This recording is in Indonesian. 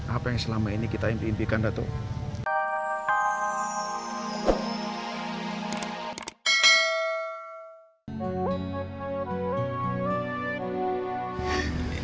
apa yang selama ini kita impi impikan datuk